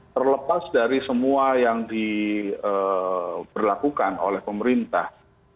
terlepas dari semua yang diberlakukan oleh pemerintah